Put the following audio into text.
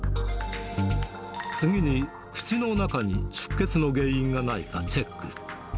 次に、口の中に出血の原因がないかチェック。